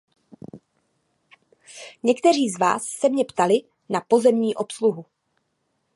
Někteří z vás se mě ptali na pozemní obsluhu.